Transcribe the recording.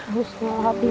jangan jadi hai